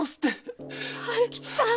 春吉さん！